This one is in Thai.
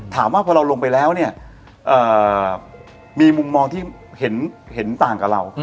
ถามว่าพอเราลงไปแล้วเนี่ยมีมุมมองที่เห็นต่างกับเรา